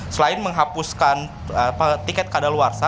selain menghapuskan tiket kadaluarsa